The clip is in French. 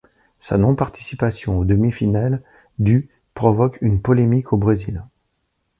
Sa non participation aux demi-finales du provoquent une polémique au Brésil.